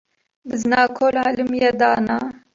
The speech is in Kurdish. Bizina kol elimiye dana